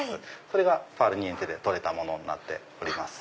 それがファールニエンテで採れたものになっております。